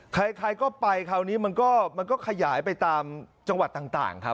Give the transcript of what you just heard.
ใครก็ไปคราวนี้มันก็ขยายไปตามจังหวัดต่างครับ